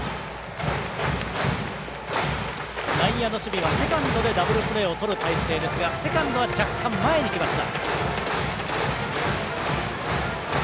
内野の守備はセカンドでダブルプレーをとる態勢ですがセカンドは若干、前に来ました。